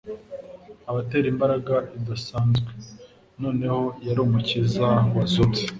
abatera imbaraga idasanzwe. Noneho yari Umukiza wazutse.